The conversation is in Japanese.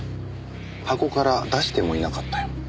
箱から出してもいなかったよ。